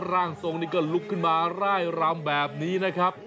ร่างทรงนี่ก็ลุกขึ้นมาร่ายรำแบบนี้นะครับ